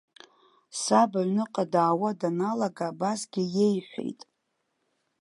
Саб аҩныҟа даауа даналага, абасгьы иеиҳәеит.